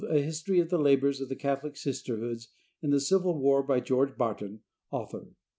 A history of the labors of the Catholic Sisterhoods in the Civil War, by George Barton, author.